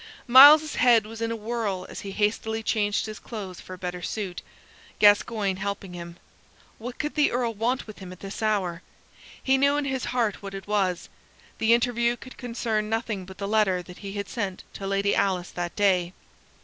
Myles's head was in a whirl as he hastily changed his clothes for a better suit, Gascoyne helping him. What could the Earl want with him at this hour? He knew in his heart what it was; the interview could concern nothing but the letter that he had sent to Lady Alice that day.